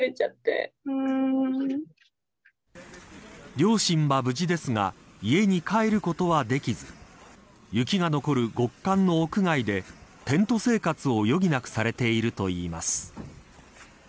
両親は無事ですが家に帰ることはできず雪が残る極寒の屋外でテント生活を余儀なくされているといいます。